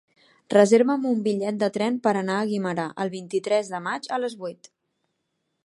Reserva'm un bitllet de tren per anar a Guimerà el vint-i-tres de maig a les vuit.